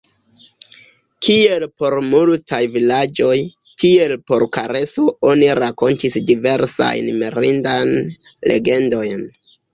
Kiel por multaj vilaĝoj, tiel por Kareso, oni rakontis diversajn mirindajn legendojn.